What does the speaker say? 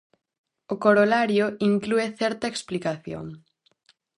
O corolario inclúe certa explicación.